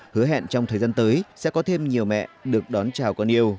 hứa hẹn trong thời gian tới sẽ có thêm nhiều mẹ được đón chào con yêu